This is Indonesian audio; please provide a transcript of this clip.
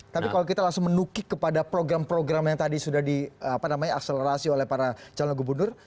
tapi kalau kita langsung menukik kepada program program yang tadi sudah di apa namanya akselerasi oleh para calon gubernur